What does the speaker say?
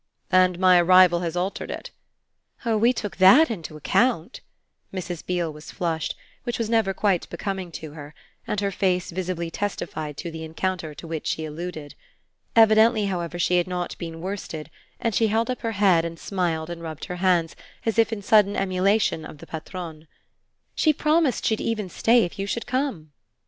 "And my arrival has altered it?" "Oh we took that into account!" Mrs. Beale was flushed, which was never quite becoming to her, and her face visibly testified to the encounter to which she alluded. Evidently, however, she had not been worsted, and she held up her head and smiled and rubbed her hands as if in sudden emulation of the patronne. "She promised she'd stay even if you should come."